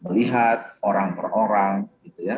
melihat orang per orang gitu ya